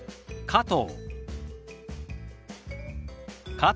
「加藤」。